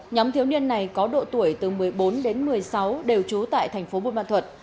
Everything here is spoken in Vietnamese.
nhóm thiếu niên này có độ tuổi từ một mươi bốn đến một mươi sáu đều trú tại tp bồn ma thuật